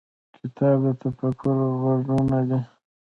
کتاب د تفکر غزونه ده.